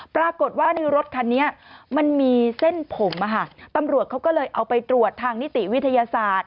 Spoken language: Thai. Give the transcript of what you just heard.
ปรากฏว่าในรถคันนี้มันมีเส้นผมตำรวจเขาก็เลยเอาไปตรวจทางนิติวิทยาศาสตร์